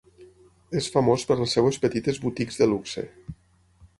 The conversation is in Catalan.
És famós per les seves petites boutiques de luxe.